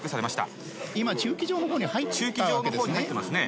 駐機場の方に入ってますね